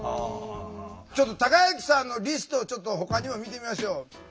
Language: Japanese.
たかゆきさんのリストをちょっとほかにも見てみましょう。